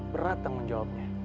berat tanggung jawabnya